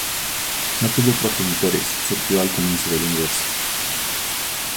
No tuvo progenitores: surgió al comienzo del universo.